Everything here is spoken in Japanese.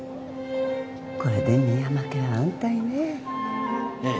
これで深山家は安泰ね。